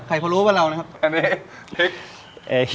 ไข่พรุใชฟักหวัดเรานะครับอันนี้